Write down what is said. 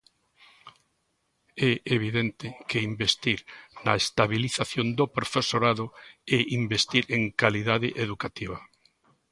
É evidente que investir na estabilización do profesorado é investir en calidade educativa.